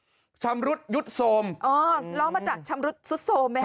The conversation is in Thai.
อีกแล้วหรอชำรุดยุทธ์โทรมอ๋อล้อมาจากชำรุดซุดโทรมไหมฮะ